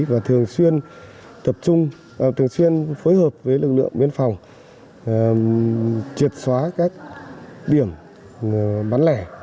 và thường xuyên tập trung thường xuyên phối hợp với lực lượng biên phòng triệt xóa các điểm bán lẻ